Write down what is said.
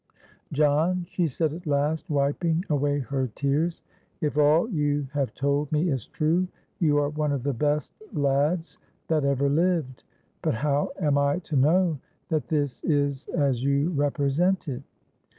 —'John,' she said at last, wiping away her tears, 'if all you have told me is true, you are one of the best lads that ever lived. But how am I to know that this is as you represent it?'